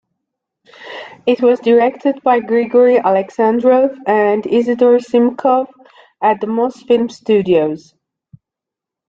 It was directed by Grigori Aleksandrov and Isidor Simkov at the Mosfilm studios.